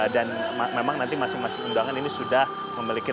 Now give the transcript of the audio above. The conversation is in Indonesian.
dan memang nanti masing masing undangan ini sudah memiliki